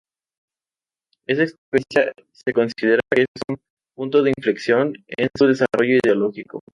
Esta experiencia se considera que es un punto de inflexión en su desarrollo ideológico.